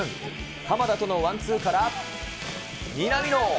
鎌田とのワンツーから南野。